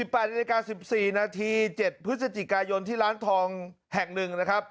๘นาฬิกา๑๔นาที๗พฤศจิกายนที่ร้านทองแห่งหนึ่งนะครับ